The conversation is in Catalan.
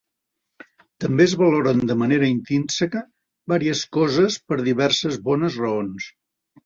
També es valoren de manera intrínseca vàries coses per diverses bones raons.